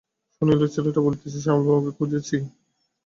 শুনিল ছেলেটা বলিতেছে, শ্যামলবাবুকে খুঁজছি।